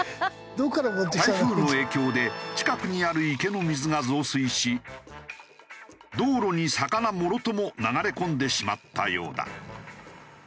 台風の影響で近くにある池の水が増水し道路に魚もろとも流れ込んでしまったようだ。